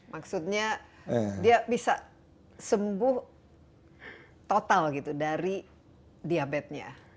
maksudnya dia bisa sembuh total gitu dari diabetesnya